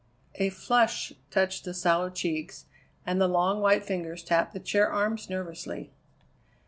A flush touched the sallow cheeks, and the long, white fingers tapped the chair arms nervously.